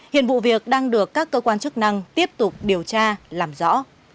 hiện vụ việc đang được các cơ quan chức năng tiếp tục điều tra làm rõ